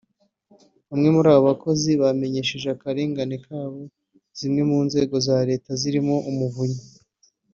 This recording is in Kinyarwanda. Bamwe muri abo bakozi bamenyesheje akarengane kabo zimwe mu nzego za Leta zirimo Umuvunyi